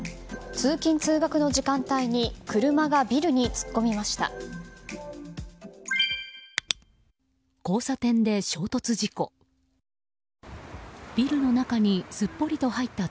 通勤・通学の時間帯に車がビルに突っ込みました。